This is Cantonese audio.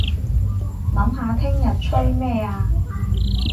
諗下聽日吹咩吖